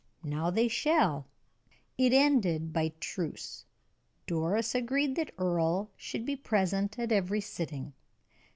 Now they shall!" It ended by truce, and Doris agreed that Earle should be present at every sitting.